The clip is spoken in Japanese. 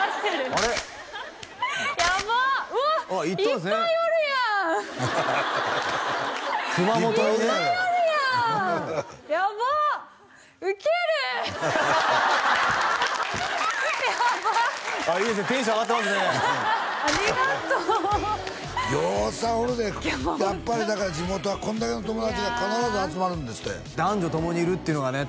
ありがとうぎょうさんおるでやっぱりだから地元はこんだけの友達が必ず集まるんですって男女ともにいるっていうのがね